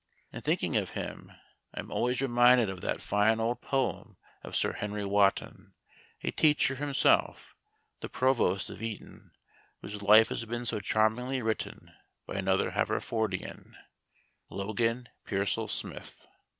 In thinking of him I am always reminded of that fine old poem of Sir Henry Wotton, a teacher himself, the provost of Eton, whose life has been so charmingly written by another Haverfordian (Logan Pearsall Smith).